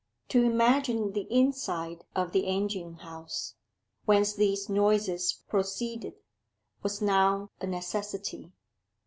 To imagine the inside of the engine house, whence these noises proceeded, was now a necessity.